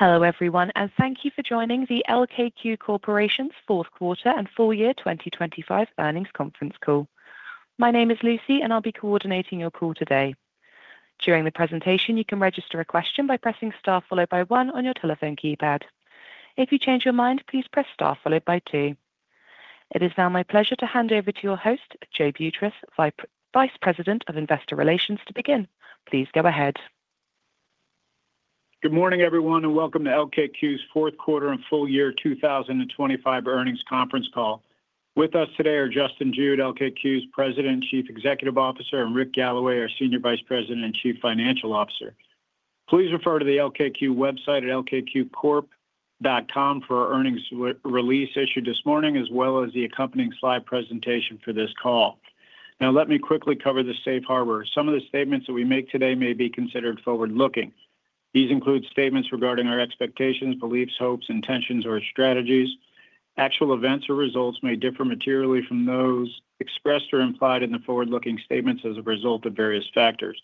Hello, everyone, and thank you for joining the LKQ Corporation's Fourth Quarter and Full Year 2025 Earnings Conference Call. My name is Lucy, and I'll be coordinating your call today. During the presentation, you can register a question by pressing Star followed by one on your telephone keypad. If you change your mind, please press Star followed by two. It is now my pleasure to hand over to your host, Joe Boutross, Vice President of Investor Relations, to begin. Please go ahead. Good morning, everyone, and welcome to LKQ's Fourth Quarter and Full Year 2025 Earnings Conference Call. With us today are Justin Jude, LKQ's President and Chief Executive Officer, and Rick Galloway, our Senior Vice President and Chief Financial Officer. Please refer to the LKQ website at lkqcorp.com for our earnings re-release issued this morning, as well as the accompanying slide presentation for this call. Now, let me quickly cover the safe harbor. Some of the statements that we make today may be considered forward-looking. These include statements regarding our expectations, beliefs, hopes, intentions, or strategies. Actual events or results may differ materially from those expressed or implied in the forward-looking statements as a result of various factors.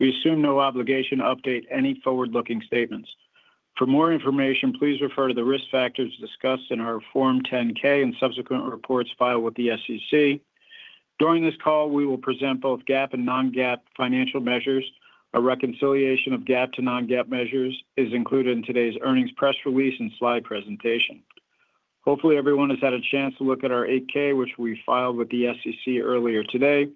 We assume no obligation to update any forward-looking statements. For more information, please refer to the risk factors discussed in our Form 10-K and subsequent reports filed with the SEC. During this call, we will present both GAAP and non-GAAP financial measures. A reconciliation of GAAP to non-GAAP measures is included in today's earnings press release and slide presentation. Hopefully, everyone has had a chance to look at our 8-K, which we filed with the SEC earlier today,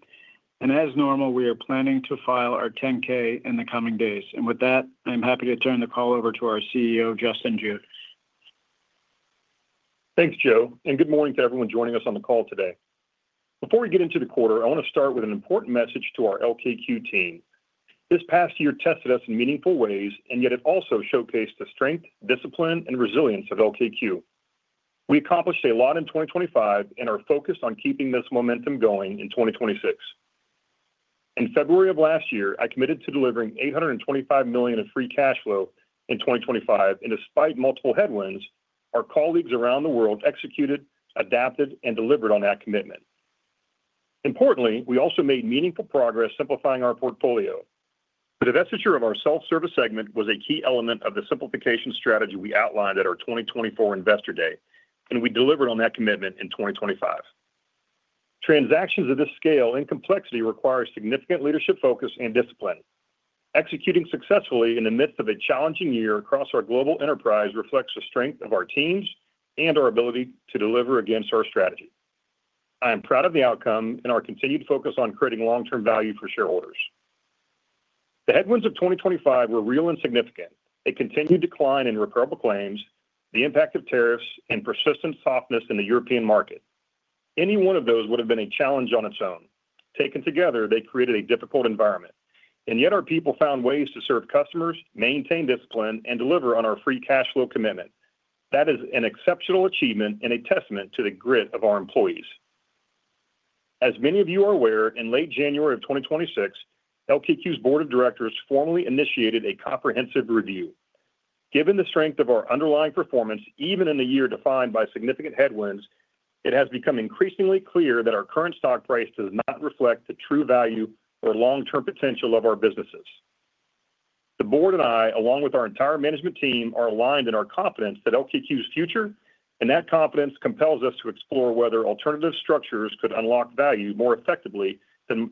and as normal, we are planning to file our 10-K in the coming days. With that, I'm happy to turn the call over to our CEO, Justin Jude. Thanks, Joe, and good morning to everyone joining us on the call today. Before we get into the quarter, I want to start with an important message to our LKQ team. This past year tested us in meaningful ways, and yet it also showcased the strength, discipline, and resilience of LKQ. We accomplished a lot in 2025 and are focused on keeping this momentum going in 2026. In February of last year, I committed to delivering $825 million in free cash flow in 2025, and despite multiple headwinds, our colleagues around the world executed, adapted, and delivered on that commitment. Importantly, we also made meaningful progress simplifying our portfolio. The divestiture of our Self-Service segment was a key element of the simplification strategy we outlined at our 2024 Investor Day, and we delivered on that commitment in 2025. Transactions of this scale and complexity require significant leadership, focus, and discipline. Executing successfully in the midst of a challenging year across our global enterprise reflects the strength of our teams and our ability to deliver against our strategy. I am proud of the outcome and our continued focus on creating long-term value for shareholders. The headwinds of 2025 were real and significant. A continued decline in repairable claims, the impact of tariffs, and persistent softness in the European market. Any one of those would have been a challenge on its own. Taken together, they created a difficult environment, and yet our people found ways to serve customers, maintain discipline, and deliver on our free cash flow commitment. That is an exceptional achievement and a testament to the grit of our employees. As many of you are aware, in late January of 2026, LKQ's board of directors formally initiated a comprehensive review. Given the strength of our underlying performance, even in a year defined by significant headwinds, it has become increasingly clear that our current stock price does not reflect the true value or long-term potential of our businesses. The board and I, along with our entire management team, are aligned in our confidence that LKQ's future, and that confidence compels us to explore whether alternative structures could unlock value more effectively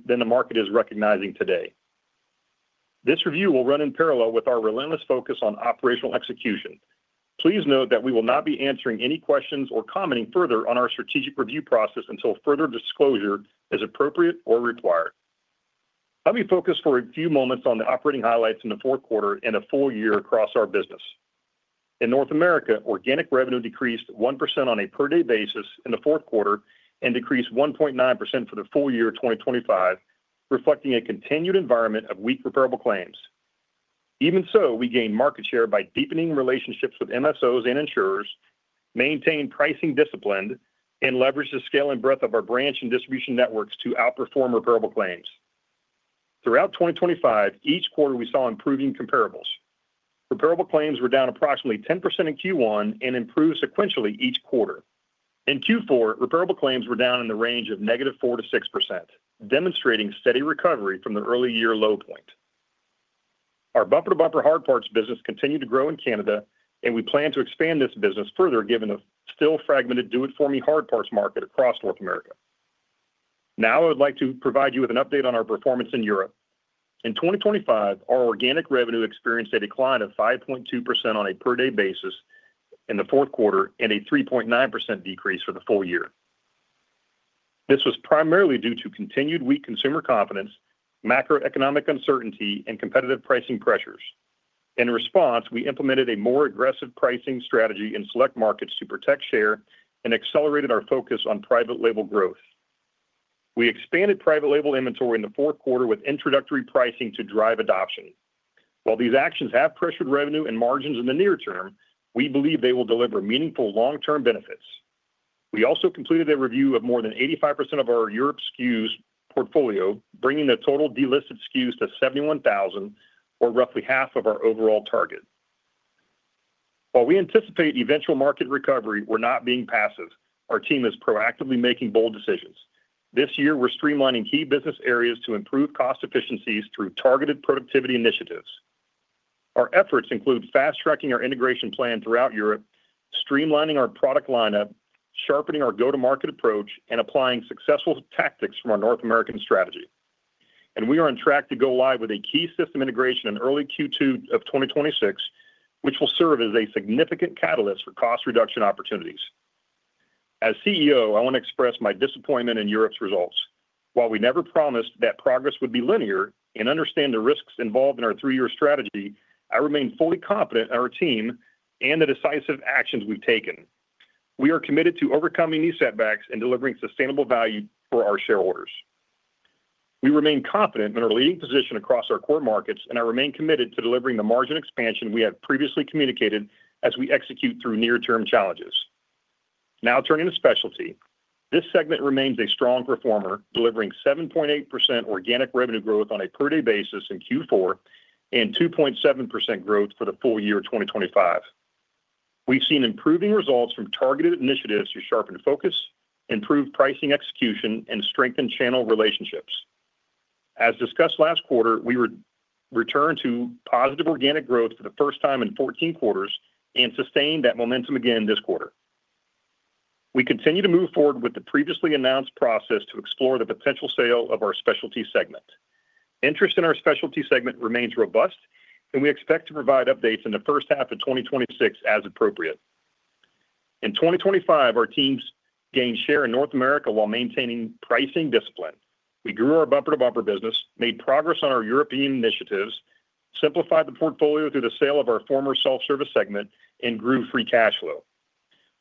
than the market is recognizing today. This review will run in parallel with our relentless focus on operational execution. Please note that we will not be answering any questions or commenting further on our strategic review process until further disclosure is appropriate or required. Let me focus for a few moments on the operating highlights in the fourth quarter and a full year across our business. In North America, organic revenue decreased 1% on a per-day basis in the fourth quarter and decreased 1.9% for the full year 2025, reflecting a continued environment of weak repairable claims. Even so, we gained market share by deepening relationships with MSOs and insurers, maintained pricing discipline, and leveraged the scale and breadth of our branch and distribution networks to outperform repairable claims. Throughout 2025, each quarter we saw improving comparables. Repairable claims were down approximately 10% in Q1 and improved sequentially each quarter. In Q4, repairable claims were down in the range of -4% to -6%, demonstrating steady recovery from the early year low point. Bumper to Bumper hard parts business continued to grow in Canada, and we plan to expand this business further, given the still fragmented do-it-for-me hard parts market across North America. Now, I would like to provide you with an update on our performance in Europe. In 2025, our organic revenue experienced a decline of 5.2% on a per-day basis in the fourth quarter and a 3.9% decrease for the full year. This was primarily due to continued weak consumer confidence, macroeconomic uncertainty, and competitive pricing pressures. In response, we implemented a more aggressive pricing strategy in select markets to protect share and accelerated our focus on private label growth. We expanded private label inventory in the fourth quarter with introductory pricing to drive adoption. While these actions have pressured revenue and margins in the near term, we believe they will deliver meaningful long-term benefits. We also completed a review of more than 85% of our Europe SKUs portfolio, bringing the total delisted SKUs to 71,000, or roughly half of our overall target. While we anticipate eventual market recovery, we're not being passive. Our team is proactively making bold decisions. This year, we're streamlining key business areas to improve cost efficiencies through targeted productivity initiatives. Our efforts include fast-tracking our integration plan throughout Europe, streamlining our product lineup, sharpening our go-to-market approach, and applying successful tactics from our North American strategy. And we are on track to go live with a key system integration in early Q2 of 2026, which will serve as a significant catalyst for cost reduction opportunities. As CEO, I want to express my disappointment in Europe's results. While we never promised that progress would be linear and understand the risks involved in our three-year strategy, I remain fully confident in our team and the decisive actions we've taken. We are committed to overcoming these setbacks and delivering sustainable value for our shareholders. We remain confident in our leading position across our core markets, and I remain committed to delivering the margin expansion we have previously communicated as we execute through near-term challenges. Now, turning to Specialty. This segment remains a strong performer, delivering 7.8% organic revenue growth on a per-day basis in Q4 and 2.7% growth for the full year 2025. We've seen improving results from targeted initiatives to sharpen focus, improve pricing execution, and strengthen channel relationships. As discussed last quarter, we re-returned to positive organic growth for the first time in 14 quarters and sustained that momentum again this quarter. We continue to move forward with the previously announced process to explore the potential sale of our Specialty segment. Interest in our Specialty segment remains robust, and we expect to provide updates in the first half of 2026 as appropriate. In 2025, our teams gained share in North America while maintaining pricing discipline. We grew our Bumper-to-Bumper business, made progress on our European initiatives, simplified the portfolio through the sale of our former self-service segment, and grew free cash flow.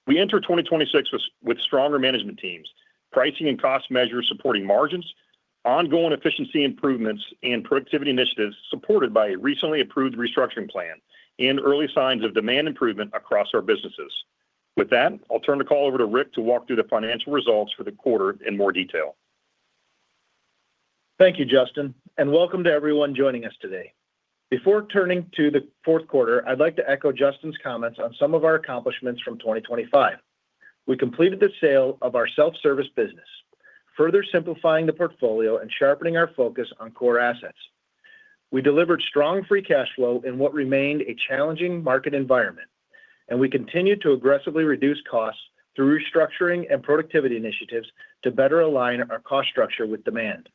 We enter 2026 with stronger management teams, pricing and cost measures supporting margins, ongoing efficiency improvements, and productivity initiatives supported by a recently approved restructuring plan and early signs of demand improvement across our businesses. With that, I'll turn the call over to Rick to walk through the financial results for the quarter in more detail. Thank you, Justin, and welcome to everyone joining us today. Before turning to the fourth quarter, I'd like to echo Justin's comments on some of our accomplishments from 2025. We completed the sale of our self-service business, further simplifying the portfolio and sharpening our focus on core assets. We delivered strong free cash flow in what remained a challenging market environment, and we continued to aggressively reduce costs through restructuring and productivity initiatives to better align our cost structure with demand.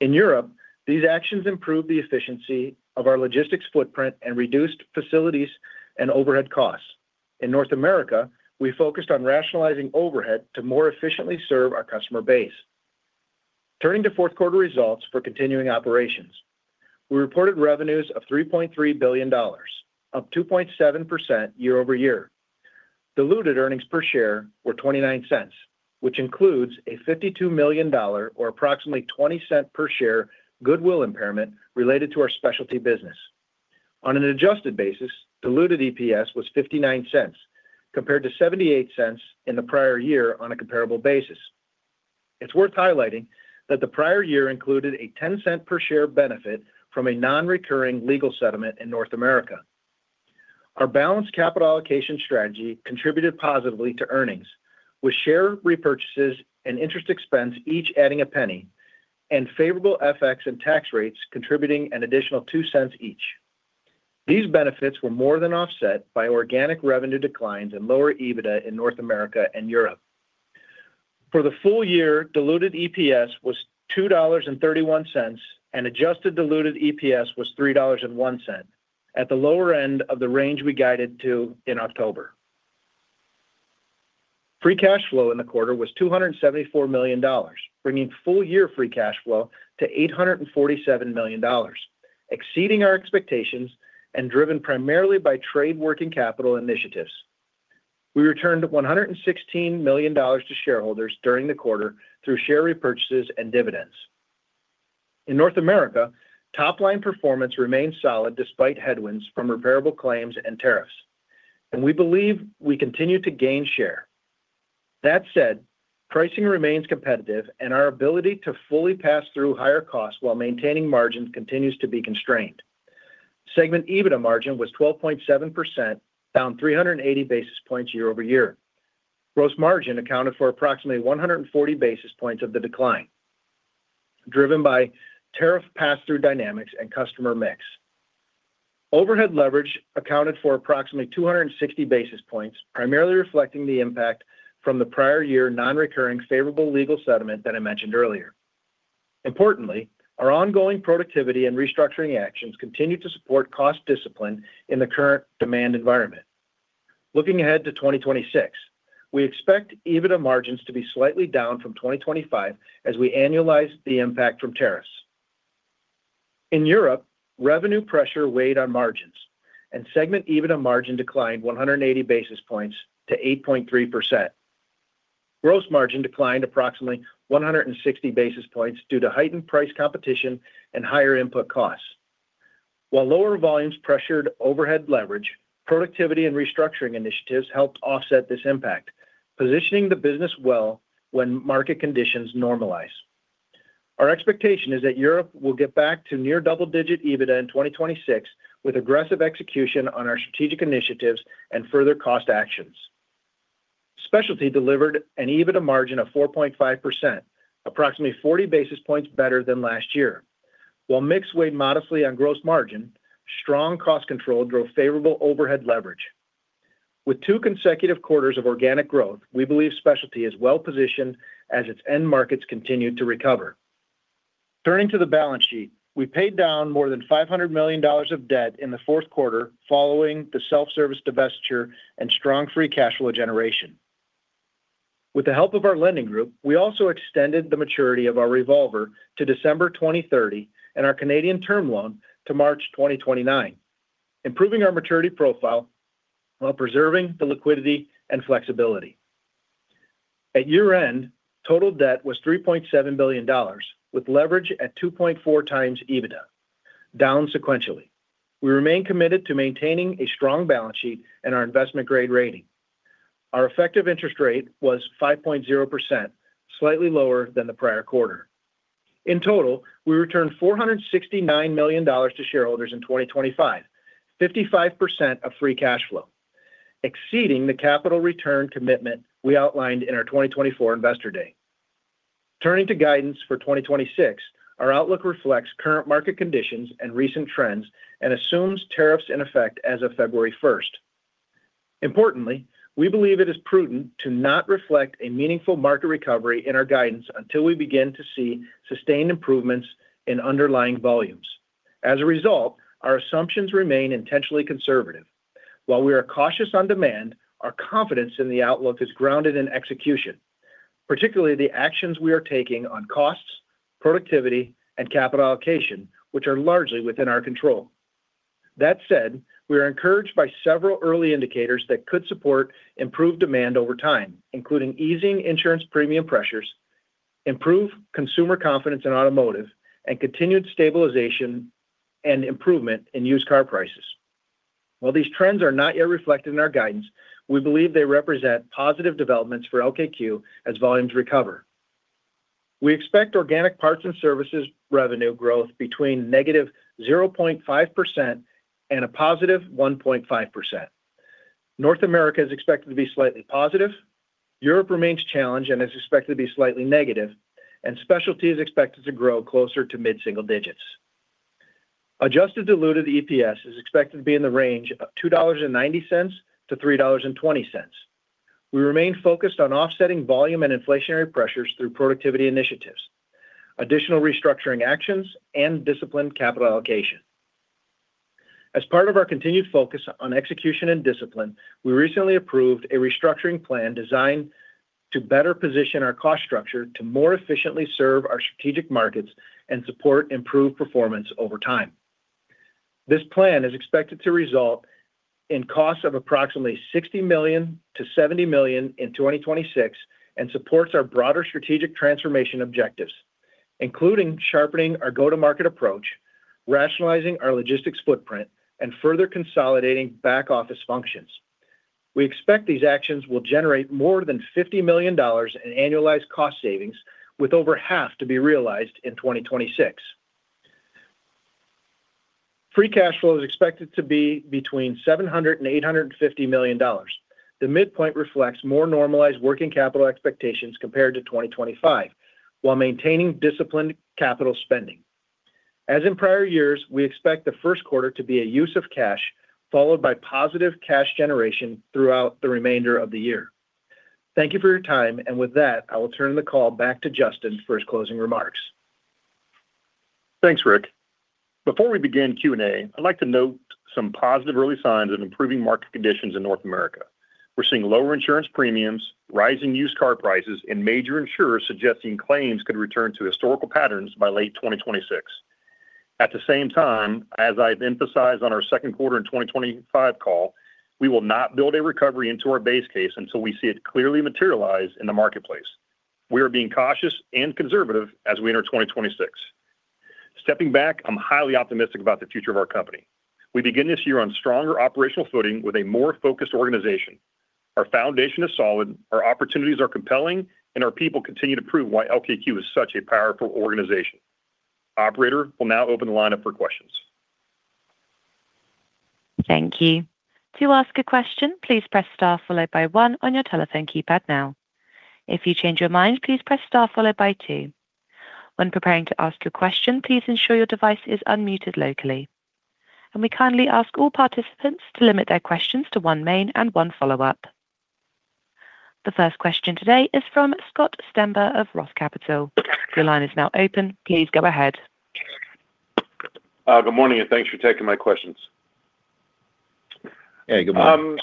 In Europe, these actions improved the efficiency of our logistics footprint and reduced facilities and overhead costs. In North America, we focused on rationalizing overhead to more efficiently serve our customer base. Turning to fourth quarter results for continuing operations. We reported revenues of $3.3 billion, up 2.7% year-over-year. Diluted earnings per share were $0.29, which includes a $52 million, or approximately $0.20 per share, goodwill impairment related to our specialty business. On an adjusted basis, diluted EPS was $0.59, compared to $0.78 in the prior year on a comparable basis. It's worth highlighting that the prior year included a $0.10 per share benefit from a non-recurring legal settlement in North America. Our balanced capital allocation strategy contributed positively to earnings, with share repurchases and interest expense each adding $0.01, and favorable FX and tax rates contributing an additional $0.02 each. These benefits were more than offset by organic revenue declines and lower EBITDA in North America and Europe. For the full year, diluted EPS was $2.31, and adjusted diluted EPS was $3.01, at the lower end of the range we guided to in October. Free cash flow in the quarter was $274 million, bringing full-year free cash flow to $847 million, exceeding our expectations and driven primarily by trade working capital initiatives. We returned $116 million to shareholders during the quarter through share repurchases and dividends. In North America, top-line performance remained solid despite headwinds from repairable claims and tariffs, and we believe we continue to gain share. That said, pricing remains competitive and our ability to fully pass through higher costs while maintaining margins continues to be constrained. Segment EBITDA margin was 12.7%, down 380 basis points year-over-year. Gross margin accounted for approximately 140 basis points of the decline, driven by tariff pass-through dynamics and customer mix. Overhead leverage accounted for approximately 260 basis points, primarily reflecting the impact from the prior year non-recurring favorable legal settlement that I mentioned earlier. Importantly, our ongoing productivity and restructuring actions continue to support cost discipline in the current demand environment. Looking ahead to 2026, we expect EBITDA margins to be slightly down from 2025 as we annualize the impact from tariffs. In Europe, revenue pressure weighed on margins and segment EBITDA margin declined 180 basis points to 8.3%. Gross margin declined approximately 160 basis points due to heightened price competition and higher input costs. While lower volumes pressured overhead leverage, productivity and restructuring initiatives helped offset this impact, positioning the business well when market conditions normalize. Our expectation is that Europe will get back to near double-digit EBITDA in 2026, with aggressive execution on our strategic initiatives and further cost actions. Specialty delivered an EBITDA margin of 4.5%, approximately 40 basis points better than last year. While mix weighed modestly on gross margin, strong cost control drove favorable overhead leverage. With two consecutive quarters of organic growth, we believe specialty is well-positioned as its end markets continue to recover. Turning to the balance sheet, we paid down more than $500 million of debt in the fourth quarter, following the self-service divestiture and strong free cash flow generation. With the help of our lending group, we also extended the maturity of our revolver to December 2030 and our Canadian term loan to March 2029, improving our maturity profile while preserving the liquidity and flexibility. At year-end, total debt was $3.7 billion, with leverage at 2.4x EBITDA, down sequentially. We remain committed to maintaining a strong balance sheet and our investment-grade rating. Our effective interest rate was 5.0%, slightly lower than the prior quarter. In total, we returned $469 million to shareholders in 2025, 55% of free cash flow, exceeding the capital return commitment we outlined in our 2024 Investor Day. Turning to guidance for 2026, our outlook reflects current market conditions and recent trends and assumes tariffs in effect as of February 1. Importantly, we believe it is prudent to not reflect a meaningful market recovery in our guidance until we begin to see sustained improvements in underlying volumes. As a result, our assumptions remain intentionally conservative. While we are cautious on demand, our confidence in the outlook is grounded in execution, particularly the actions we are taking on costs, productivity, and capital allocation, which are largely within our control. That said, we are encouraged by several early indicators that could support improved demand over time, including easing insurance premium pressures, improved consumer confidence in automotive, and continued stabilization and improvement in used car prices. While these trends are not yet reflected in our guidance, we believe they represent positive developments for LKQ as volumes recover. We expect organic parts and services revenue growth between -0.5% and +1.5%. North America is expected to be slightly positive, Europe remains challenged and is expected to be slightly negative, and Specialty is expected to grow closer to mid-single digits. Adjusted diluted EPS is expected to be in the range of $2.90-$3.20. We remain focused on offsetting volume and inflationary pressures through productivity initiatives, additional restructuring actions, and disciplined capital allocation. As part of our continued focus on execution and discipline, we recently approved a restructuring plan designed to better position our cost structure to more efficiently serve our strategic markets and support improved performance over time. This plan is expected to result in costs of approximately $60 million-$70 million in 2026 and supports our broader strategic transformation objectives, including sharpening our go-to-market approach, rationalizing our logistics footprint, and further consolidating back-office functions. We expect these actions will generate more than $50 million in annualized cost savings, with over half to be realized in 2026. Free cash flow is expected to be between $700 million and $850 million. The midpoint reflects more normalized working capital expectations compared to 2025, while maintaining disciplined capital spending. As in prior years, we expect the first quarter to be a use of cash, followed by positive cash generation throughout the remainder of the year. Thank you for your time, and with that, I will turn the call back to Justin for his closing remarks. Thanks, Rick. Before we begin Q&A, I'd like to note some positive early signs of improving market conditions in North America. We're seeing lower insurance premiums, rising used car prices, and major insurers suggesting claims could return to historical patterns by late 2026. At the same time, as I've emphasized on our second quarter in 2025 call, we will not build a recovery into our base case until we see it clearly materialize in the marketplace. We are being cautious and conservative as we enter 2026. Stepping back, I'm highly optimistic about the future of our company. We begin this year on stronger operational footing with a more focused organization. Our foundation is solid, our opportunities are compelling, and our people continue to prove why LKQ is such a powerful organization. Operator, we'll now open the line up for questions. Thank you. To ask a question, please press Star followed by one on your telephone keypad now. If you change your mind, please press Star followed by two. When preparing to ask your question, please ensure your device is unmuted locally. We kindly ask all participants to limit their questions to one main and one follow-up. The first question today is from Scott Stember of Roth Capital. Your line is now open. Please go ahead. Good morning, and thanks for taking my questions. Hey, good morning.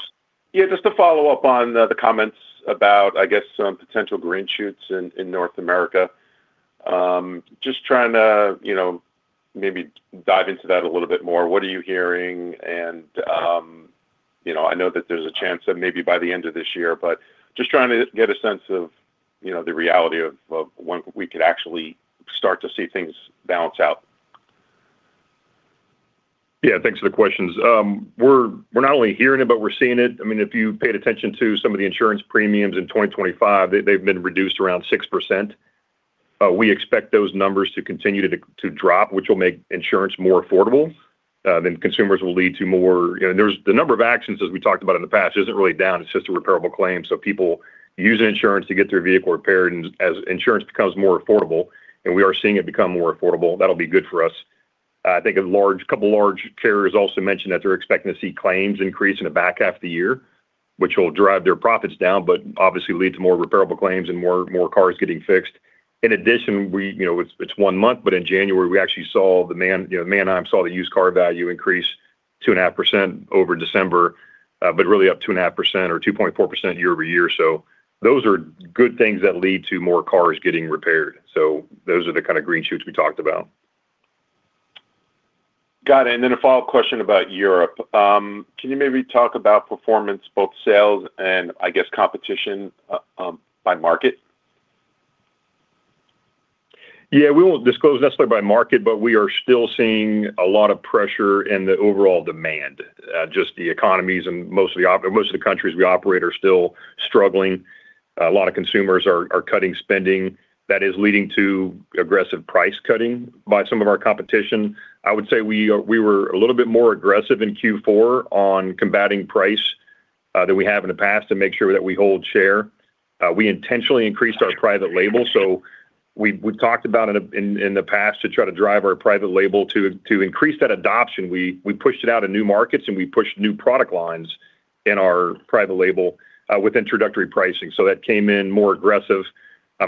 Yeah, just to follow up on the comments about, I guess, some potential green shoots in North America. Just trying to, you know, maybe dive into that a little bit more. What are you hearing? And, you know, I know that there's a chance that maybe by the end of this year, but just trying to get a sense of, you know, the reality of when we could actually start to see things balance out. Yeah, thanks for the questions. We're, we're not only hearing it, but we're seeing it. I mean, if you paid attention to some of the insurance premiums in 2025, they've, they've been reduced around 6%. But we expect those numbers to continue to drop, which will make insurance more affordable, then consumers will lead to more, there's the number of actions, as we talked about in the past, isn't really down. It's just a repairable claim, so people use insurance to get their vehicle repaired. And as insurance becomes more affordable, and we are seeing it become more affordable, that'll be good for us. I think a couple large carriers also mentioned that they're expecting to see claims increase in the back half of the year, which will drive their profits down, but obviously lead to more repairable claims and more cars getting fixed. In addition, you know, it's one month, but in January, we actually saw the Manheim—you know, Manheim—saw the used car value increase 2.5% over December, but really up 2.5% or 2.4% year-over-year. So those are good things that lead to more cars getting repaired, so those are the kind of green shoots we talked about. Got it, and then a follow-up question about Europe. Can you maybe talk about performance, both sales and I guess competition, by market? Yeah, we won't disclose necessarily by market, but we are still seeing a lot of pressure in the overall demand. Just the economies and most of the countries we operate are still struggling. A lot of consumers are cutting spending that is leading to aggressive price cutting by some of our competition. I would say we were a little bit more aggressive in Q4 on combating price than we have in the past to make sure that we hold share. We intentionally increased our private label, so we've talked about in the past to try to drive our private label to increase that adoption. We pushed it out to new markets, and we pushed new product lines in our private label with introductory pricing. So that came in more aggressive.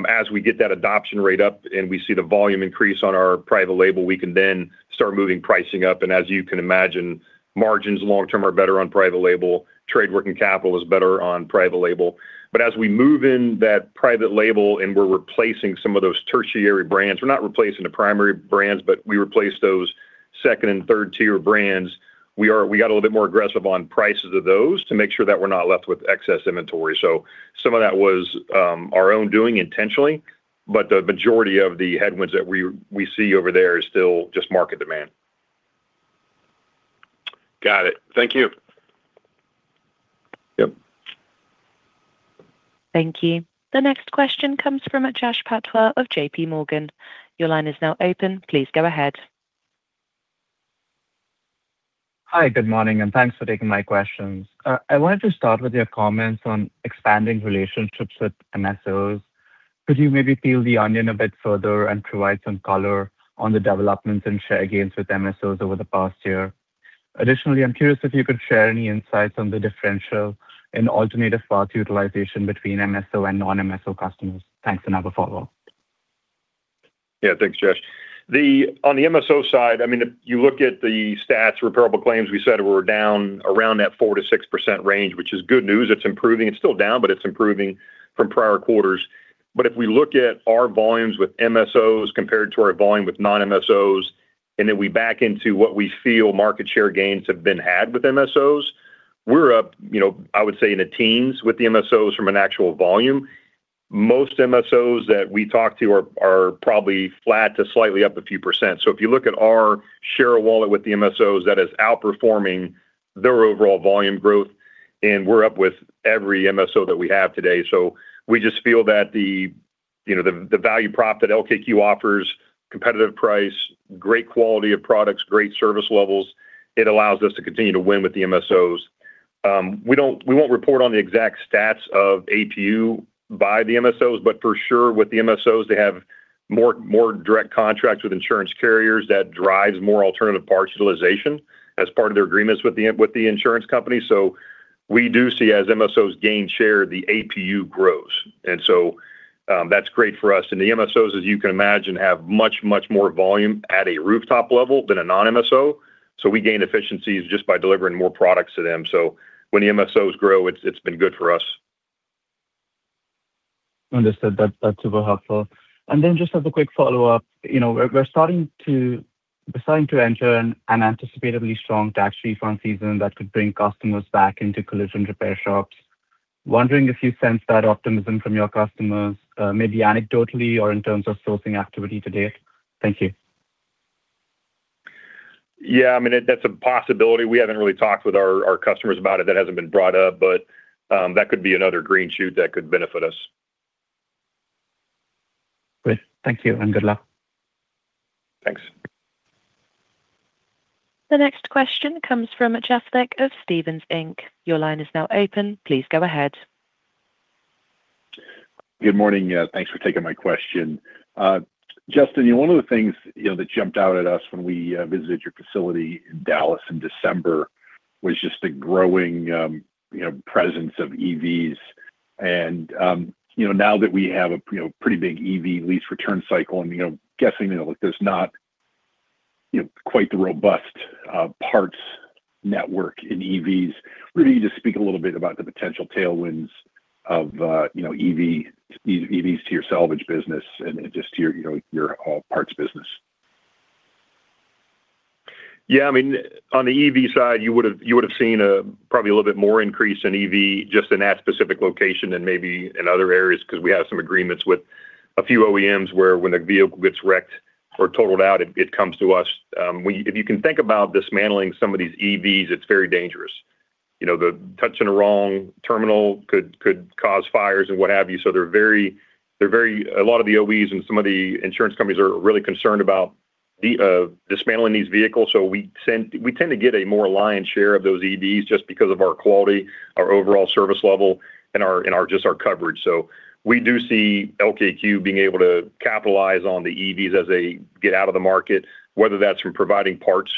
As we get that adoption rate up and we see the volume increase on our private label, we can then start moving pricing up. And as you can imagine, margins long term are better on private label. Trade working capital is better on private label. But as we move in that private label and we're replacing some of those tertiary brands, we're not replacing the primary brands, but we replace those second and third-tier brands. We got a little bit more aggressive on prices of those to make sure that we're not left with excess inventory. So some of that was, our own doing intentionally, but the majority of the headwinds that we see over there is still just market demand. Got it. Thank you. Yep. Thank you. The next question comes from Jash Patwa of J.P. Morgan. Your line is now open. Please go ahead. Hi, good morning, and thanks for taking my questions. I wanted to start with your comments on expanding relationships with MSOs. Could you maybe peel the onion a bit further and provide some color on the developments and share gains with MSOs over the past year? Additionally, I'm curious if you could share any insights on the differential in alternative parts utilization between MSO and non-MSO customers. Thanks, and I have a follow-up. Yeah, thanks, Jash. On the MSO side, I mean, if you look at the stats, repairable claims, we said were down around that 4%-6% range, which is good news. It's improving. It's still down, but it's improving from prior quarters. But if we look at our volumes with MSOs compared to our volume with non-MSOs, and then we back into what we feel market share gains have been had with MSOs, we're up, you know, I would say, in the teens with the MSOs from an actual volume. Most MSOs that we talk to are probably flat to slightly up a few%. So if you look at our share of wallet with the MSOs, that is outperforming their overall volume growth, and we're up with every MSO that we have today. So we just feel that, you know, the value prop that LKQ offers, competitive price, great quality of products, great service levels, it allows us to continue to win with the MSOs. We don't, we won't report on the exact stats of APU by the MSOs, but for sure, with the MSOs, they have more direct contracts with insurance carriers that drives more alternative parts utilization as part of their agreements with the insurance company. So we do see as MSOs gain share, the APU grows. And so, that's great for us. And the MSOs, as you can imagine, have much more volume at a rooftop level than a non-MSO. So we gain efficiencies just by delivering more products to them. So when the MSOs grow, it's been good for us. Understood. That's super helpful. And then just as a quick follow-up, you know, we're starting to enter an anticipated strong tax refund season that could bring customers back into collision repair shops. Wondering if you sense that optimism from your customers, maybe anecdotally or in terms of sourcing activity to date. Thank you. Yeah, I mean, that's a possibility. We haven't really talked with our customers about it. That hasn't been brought up, but that could be another green shoot that could benefit us. Great. Thank you, and good luck. Thanks. The next question comes from Jeff Lick of Stephens Inc. Your line is now open. Please go ahead. Good morning. Thanks for taking my question. Justin, you know, one of the things, you know, that jumped out at us when we visited your facility in Dallas in December was just the growing, you know, presence of EVs. And, you know, now that we have a, you know, pretty big EV lease return cycle and, you know, guessing that there's not, you know, quite the robust parts network in EVs. We need to speak a little bit about the potential tailwinds of, you know, EV, EVs to your salvage business and, and just to your, you know, your all parts business. Yeah, I mean, on the EV side, you would have, you would have seen, probably a little bit more increase in EV just in that specific location than maybe in other areas, because we have some agreements with. A few OEMs where when a vehicle gets wrecked or totaled out, it, it comes to us. We if you can think about dismantling some of these EVs, it's very dangerous. You know, the touching a wrong terminal could, could cause fires and what have you. So they're very, they're very a lot of the OEs and some of the insurance companies are really concerned about the, dismantling these vehicles. So we send we tend to get a more lion's share of those EVs just because of our quality, our overall service level, and our, and our just our coverage. So we do see LKQ being able to capitalize on the EVs as they get out of the market, whether that's from providing parts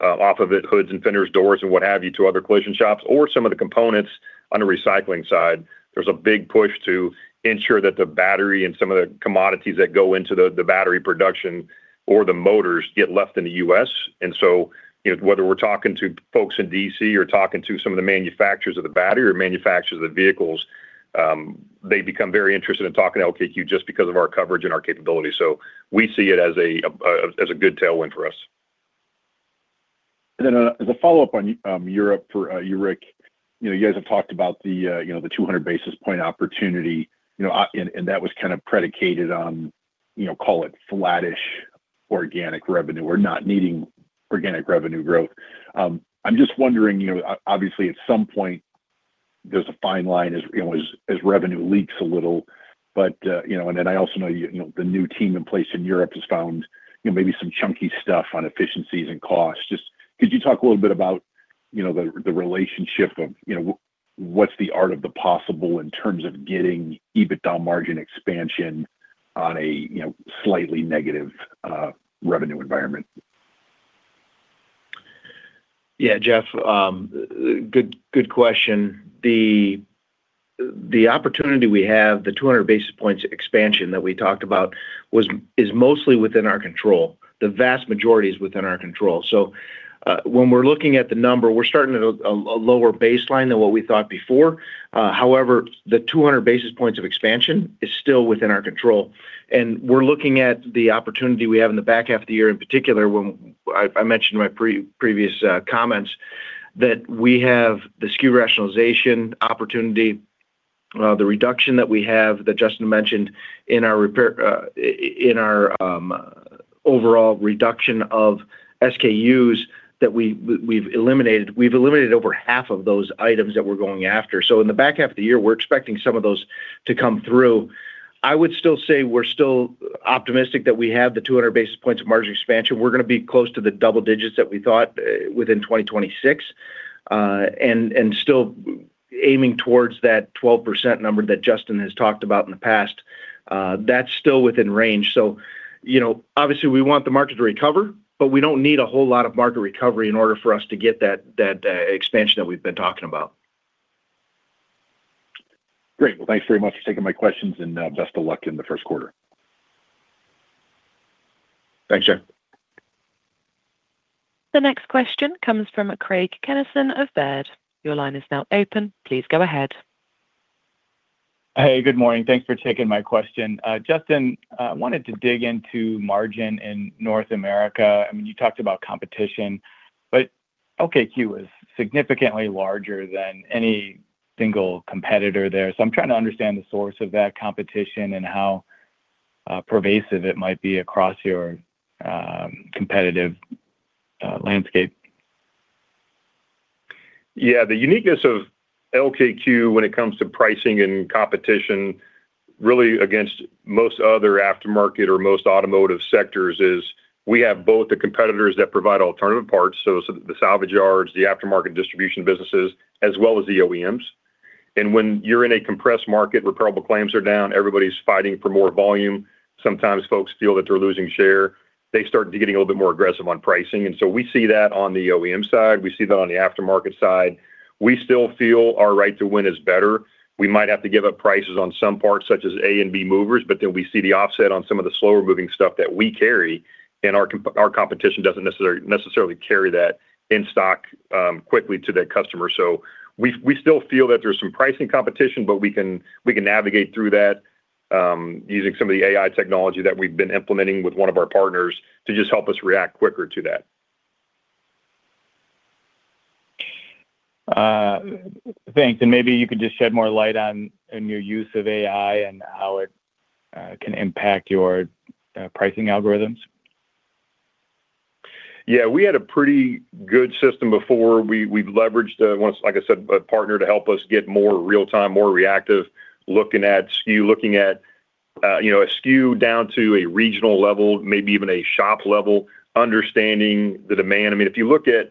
off of it, hoods and fenders, doors and what have you, to other collision shops or some of the components on the recycling side. There's a big push to ensure that the battery and some of the commodities that go into the, the battery production or the motors get left in the U.S. And so, you know, whether we're talking to folks in D.C. or talking to some of the manufacturers of the battery or manufacturers of the vehicles, they become very interested in talking to LKQ just because of our coverage and our capability. So we see it as a, as a good tailwind for us. And then, as a follow-up on, Europe for, you, Rick, you know, you guys have talked about the, you know, the 200 basis point opportunity, you know, and, and that was kind of predicated on, you know, call it flattish organic revenue. We're not needing organic revenue growth. I'm just wondering, you know, obviously, at some point, there's a fine line as, you know, as, as revenue leaks a little, but, you know, and then I also know you, you know, the new team in place in Europe has found, you know, maybe some chunky stuff on efficiencies and costs. Just could you talk a little bit about, you know, the, the relationship of, you know, what's the art of the possible in terms of getting EBITDA margin expansion on a, you know, slightly negative, revenue environment? Yeah, Jeff, good, good question. The opportunity we have, the 200 basis points expansion that we talked about was - is mostly within our control. The vast majority is within our control. So, when we're looking at the number, we're starting at a, a lower baseline than what we thought before. However, the 200 basis points of expansion is still within our control, and we're looking at the opportunity we have in the back half of the year, in particular, when I mentioned in my pre-previous comments, that we have the SKU rationalization opportunity, the reduction that we have that Justin mentioned in our repair in our overall reduction of SKUs that we we've eliminated. We've eliminated over half of those items that we're going after. So in the back half of the year, we're expecting some of those to come through. I would still say we're still optimistic that we have the 200 basis points of margin expansion. We're going to be close to the double digits that we thought, within 2026, and still aiming towards that 12% number that Justin has talked about in the past. That's still within range. So, you know, obviously, we want the market to recover, but we don't need a whole lot of market recovery in order for us to get that, that, expansion that we've been talking about. Great. Well, thanks very much for taking my questions, and best of luck in the first quarter. Thanks, Jeff. The next question comes from Craig Kennison of Baird. Your line is now open. Please go ahead. Hey, good morning. Thanks for taking my question. Justin, I wanted to dig into margin in North America. I mean, you talked about competition, but LKQ is significantly larger than any single competitor there. So I'm trying to understand the source of that competition and how pervasive it might be across your competitive landscape. Yeah, the uniqueness of LKQ when it comes to pricing and competition, really against most other aftermarket or most automotive sectors, is we have both the competitors that provide alternative parts, so the salvage yards, the aftermarket distribution businesses, as well as the OEMs. And when you're in a compressed market where repairable claims are down, everybody's fighting for more volume. Sometimes folks feel that they're losing share. They start to getting a little bit more aggressive on pricing, and so we see that on the OEM side, we see that on the aftermarket side. We still feel our right to win is better. We might have to give up prices on some parts, such as A and B movers, but then we see the offset on some of the slower-moving stuff that we carry, and our competition doesn't necessarily carry that in stock quickly to the customer. So we still feel that there's some pricing competition, but we can navigate through that using some of the AI technology that we've been implementing with one of our partners to just help us react quicker to that. Thanks. And maybe you could just shed more light on your use of AI and how it can impact your pricing algorithms. Yeah, we had a pretty good system before. We've leveraged, like I said, a partner to help us get more real-time, more reactive, looking at SKU, looking at, you know, a SKU down to a regional level, maybe even a shop level, understanding the demand. I mean, if you look at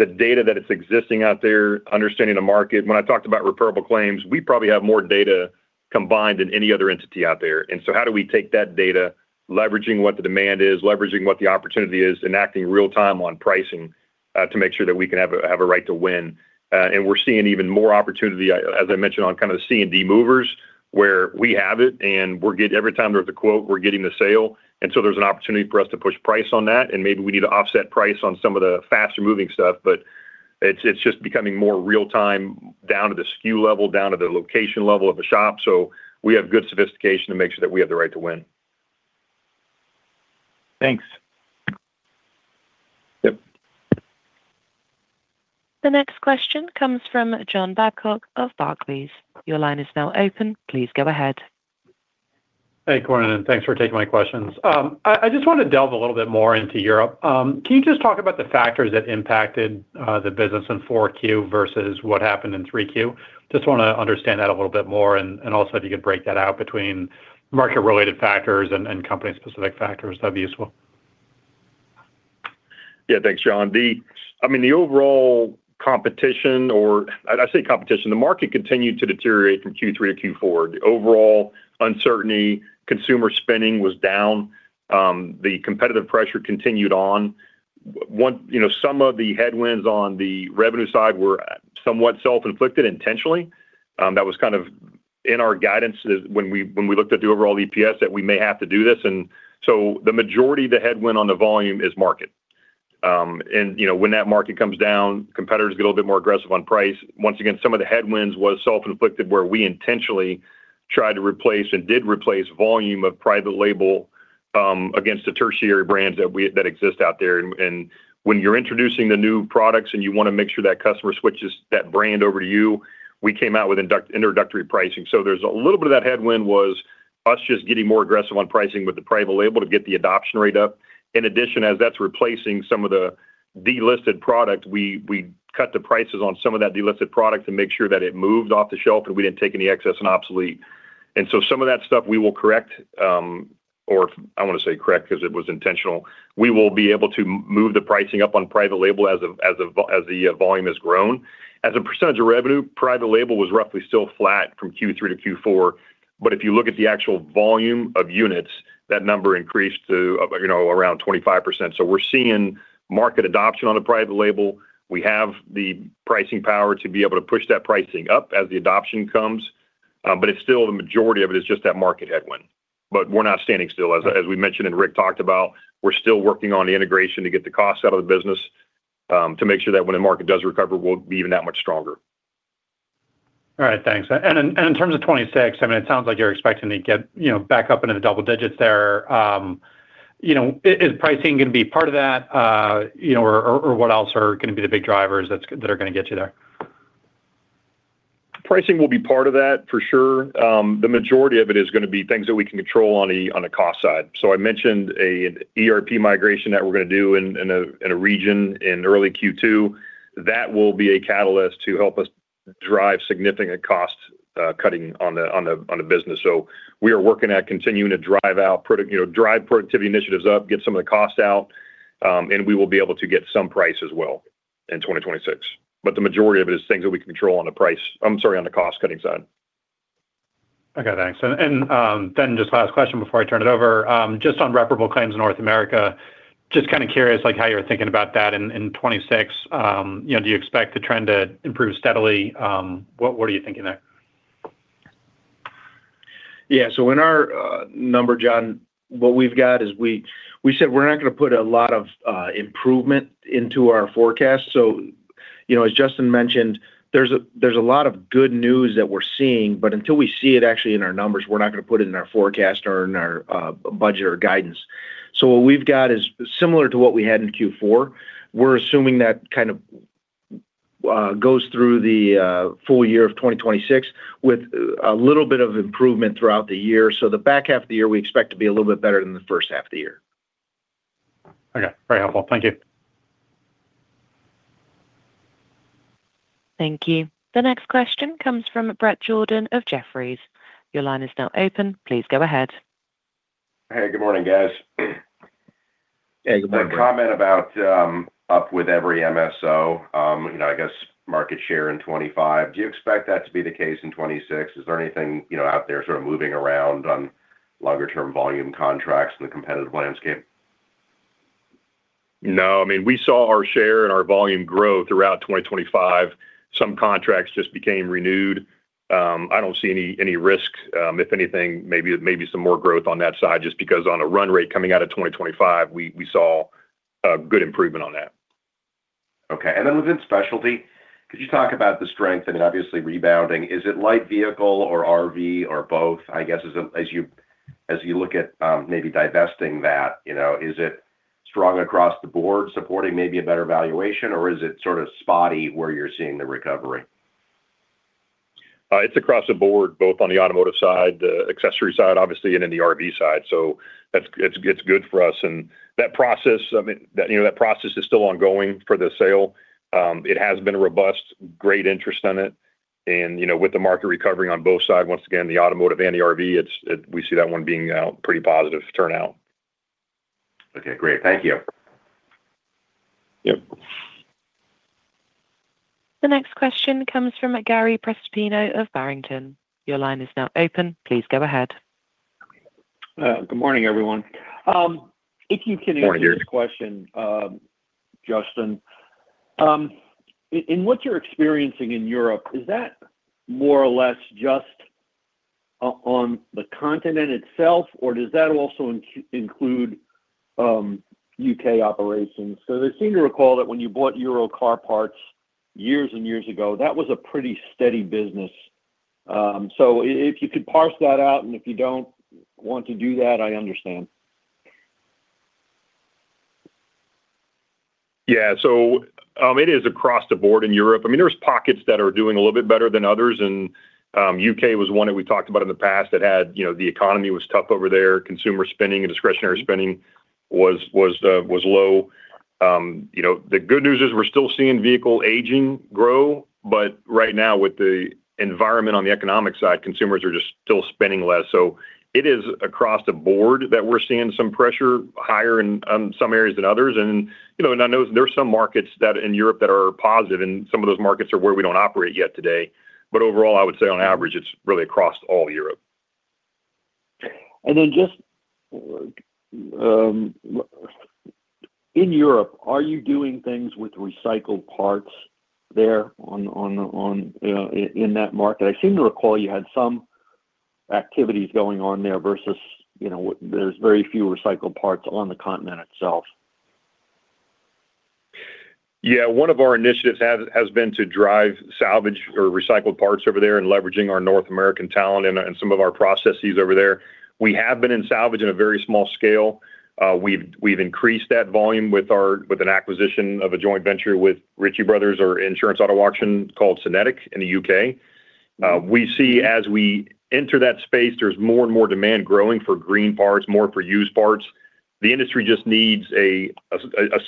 the data that it's existing out there, understanding the market, when I talked about repairable claims, we probably have more data combined than any other entity out there. And so how do we take that data, leveraging what the demand is, leveraging what the opportunity is, and acting real-time on pricing, to make sure that we can have a right to win? And we're seeing even more opportunity, as I mentioned, on kind of the C and D movers, where we have it, and we're getting every time there's a quote, we're getting the sale, and so there's an opportunity for us to push price on that, and maybe we need to offset price on some of the faster moving stuff. But it's, it's just becoming more real time down to the SKU level, down to the location level of the shop. So we have good sophistication to make sure that we have the right to win. Thanks. Yep. The next question comes from John Babcock of Barclays. Your line is now open. Please go ahead. Hey, good morning, and thanks for taking my questions. I, I just want to delve a little bit more into Europe. Can you just talk about the factors that impacted the business in 4Q versus what happened in 3Q? Just want to understand that a little bit more, and also if you could break that out between market-related factors and company-specific factors, that'd be useful. Yeah. Thanks, John. I mean, the overall competition, I'd say competition, the market continued to deteriorate from Q3 to Q4. The overall uncertainty, consumer spending was down. The competitive pressure continued on. One, you know, some of the headwinds on the revenue side were somewhat self-inflicted intentionally. That was kind of in our guidance is when we, when we looked at the overall EPS, that we may have to do this. And so the majority of the headwind on the volume is market. And, you know, when that market comes down, competitors get a little bit more aggressive on price. Once again, some of the headwinds was self-inflicted, where we intentionally tried to replace and did replace volume of private label against the tertiary brands that we that exist out there. When you're introducing the new products, and you want to make sure that customer switches that brand over to you, we came out with introductory pricing. So there's a little bit of that headwind was us just getting more aggressive on pricing with the private label to get the adoption rate up. In addition, as that's replacing some of the delisted product, we cut the prices on some of that delisted product to make sure that it moved off the shelf, and we didn't take any excess and obsolete. So some of that stuff we will correct, or I want to say, correct, because it was intentional. We will be able to move the pricing up on private label as the volume has grown. As a percentage of revenue, Private Label was roughly still flat from Q3 to Q4, but if you look at the actual volume of units, that number increased to, you know, around 25%. So we're seeing market adoption on the Private Label. We have the pricing power to be able to push that pricing up as the adoption comes, but it's still the majority of it is just that market headwind. But we're not standing still. As we mentioned, and Rick talked about, we're still working on the integration to get the costs out of the business, to make sure that when the market does recover, we'll be even that much stronger. All right, thanks. And in terms of 26, I mean, it sounds like you're expecting to get, you know, back up into the double digits there. You know, is pricing going to be part of that, you know, or, what else are going to be the big drivers that are going to get you there? Pricing will be part of that for sure. The majority of it is going to be things that we can control on the cost side. So I mentioned a ERP migration that we're going to do in a region in early Q2. That will be a catalyst to help us drive significant cost cutting on the business. So we are working at continuing to drive our product, you know, drive productivity initiatives up, get some of the costs out, and we will be able to get some price as well in 2026. But the majority of it is things that we can control on the price, I'm sorry, on the cost-cutting side. Okay, thanks. And then just last question before I turn it over. Just on repairable claims in North America, just kind of curious, like, how you're thinking about that in 2026. You know, do you expect the trend to improve steadily? What are you thinking there? Yeah. So in our number, John, what we've got is we said we're not going to put a lot of improvement into our forecast. So, you know, as Justin mentioned, there's a lot of good news that we're seeing, but until we see it actually in our numbers, we're not going to put it in our forecast or in our budget or guidance. So what we've got is similar to what we had in Q4. We're assuming that kind of goes through the full year of 2026 with a little bit of improvement throughout the year. So the back half of the year, we expect to be a little bit better than the first half of the year. Okay. Very helpful. Thank you. Thank you. The next question comes from Bret Jordan of Jefferies. Your line is now open. Please go ahead. Hey, good morning, guys. Hey, good morning. The comment about up with every MSO, you know, I guess market share in 25. Do you expect that to be the case in 26? Is there anything, you know, out there sort of moving around on longer-term volume contracts in the competitive landscape? No. I mean, we saw our share and our volume grow throughout 2025. Some contracts just became renewed. I don't see any risk. If anything, maybe some more growth on that side, just because on a run rate coming out of 2025, we saw a good improvement on that. Okay. And then within specialty, could you talk about the strength and obviously rebounding? Is it light vehicle or RV or both? I guess, as you look at, maybe divesting that, you know, is it strong across the board, supporting maybe a better valuation, or is it sort of spotty where you're seeing the recovery? It's across the board, both on the automotive side, the accessory side, obviously, and in the RV side. So that's, it's good for us. And that process, I mean, you know, that process is still ongoing for the sale. It has been robust, great interest in it, and, you know, with the market recovering on both sides, once again, the automotive and the RV, it's, we see that one being pretty positive turnout. Okay, great. Thank you. Yep. The next question comes from Gary Prestopino of Barrington. Your line is now open. Please go ahead. Good morning, everyone. If you can answer- Good morning this question, Justin. In what you're experiencing in Europe, is that more or less just on the continent itself, or does that also include UK operations? Because I seem to recall that when you bought Euro Car Parts years and years ago, that was a pretty steady business. So if you could parse that out, and if you don't want to do that, I understand. Yeah. So, it is across the board in Europe. I mean, there's pockets that are doing a little bit better than others, and, UK was one that we talked about in the past that had, you know, the economy was tough over there. Consumer spending and discretionary spending was, was low. You know, the good news is we're still seeing vehicle aging grow, but right now, with the environment on the economic side, consumers are just still spending less. So it is across the board that we're seeing some pressure higher in, some areas than others. And, you know, and I know there are some markets that in Europe that are positive, and some of those markets are where we don't operate yet today. But overall, I would say on average, it's really across all Europe. And then just in Europe, are you doing things with recycled parts there in that market? I seem to recall you had some activities going on there versus, you know, there's very few recycled parts on the continent itself. Yeah. One of our initiatives has been to drive salvage or recycled parts over there and leveraging our North American talent and some of our processes over there. We have been in salvage in a very small scale. We've increased that volume with an acquisition of a joint venture with Ritchie Brothers, or insurance auto auction called SYNETIQ in the UK. We see as we enter that space, there's more and more demand growing for green parts, more for used parts. The industry just needs a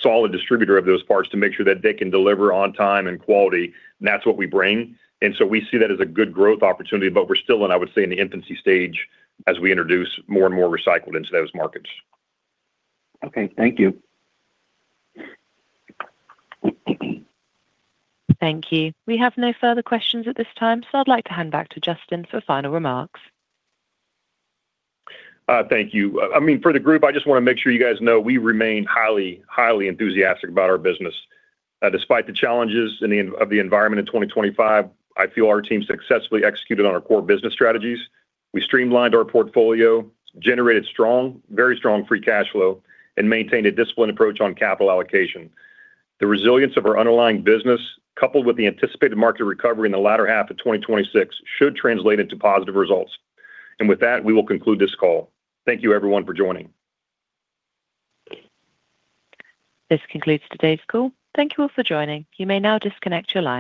solid distributor of those parts to make sure that they can deliver on time and quality, and that's what we bring. And so we see that as a good growth opportunity, but we're still in, I would say, in the infancy stage as we introduce more and more recycled into those markets. Okay. Thank you. Thank you. We have no further questions at this time, so I'd like to hand back to Justin for final remarks. Thank you. I mean, for the group, I just want to make sure you guys know we remain highly, highly enthusiastic about our business. Despite the challenges in the environment in 2025, I feel our team successfully executed on our core business strategies. We streamlined our portfolio, generated strong, very strong free cash flow, and maintained a disciplined approach on capital allocation. The resilience of our underlying business, coupled with the anticipated market recovery in the latter half of 2026, should translate into positive results. And with that, we will conclude this call. Thank you, everyone, for joining. This concludes today's call. Thank you all for joining. You may now disconnect your line.